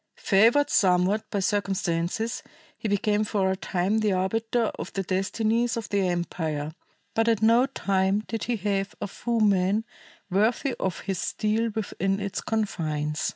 Favored somewhat by circumstances, he became for a time the arbiter of the destinies of the empire, but at no time did he have a foeman worthy of his steel within its confines.